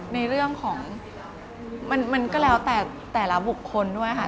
ในเรื่องของมันก็แล้วแต่แต่ละบุคคลด้วยค่ะ